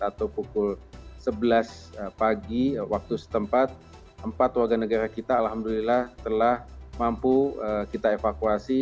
atau pukul sebelas pagi waktu setempat empat warga negara kita alhamdulillah telah mampu kita evakuasi